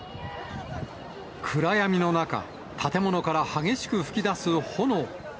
暗闇の中、建物から激しく噴き出す炎。